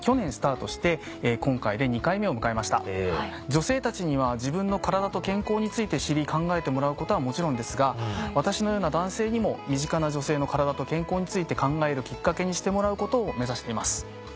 女性たちには自分の体と健康について知り考えてもらうことはもちろんですが私のような男性にも身近な女性の体と健康について考えるきっかけにしてもらうことを目指しています。